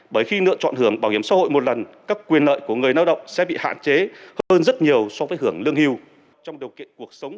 bởi khi lựa chọn hưởng bảo hiểm xã hội một lần các quyền lợi của người lao động sẽ bị hạn chế hơn rất nhiều so với hưởng lương hưu